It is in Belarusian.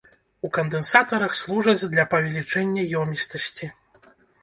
У кандэнсатарах служаць для павелічэння ёмістасці.